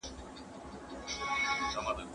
¬ په سترگو گوري، په زوى لوړي.